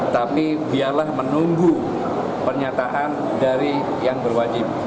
tapi biarlah menunggu pernyataan dari yang berwajib